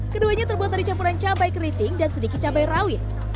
keduanya terbuat dari campuran cabai keriting dan sedikit cabai rawit